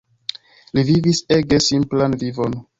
Li vivis ege simplan vivon.